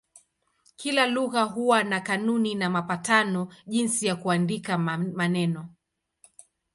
Kila lugha huwa na kanuni na mapatano jinsi ya kuandika maneno.